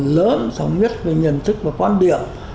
lớn sống nhất về nhận thức và quan điểm